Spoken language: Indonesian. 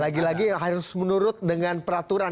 lagi lagi harus menurut dengan peraturan